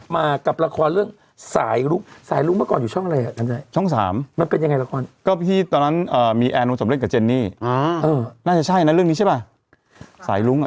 มีแอนว่าจำเล่นกับเจนนี่อ๋อน่าจะใช่นะเรื่องนี้ใช่ป่ะสายรุ้งอ่ะ